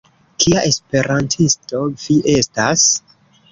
Kia Esperantisto vi estas?